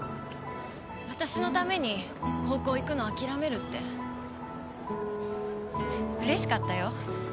私のために高校行くの諦めるってうれしかったよ。